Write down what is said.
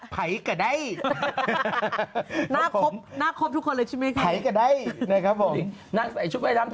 ภายกะได้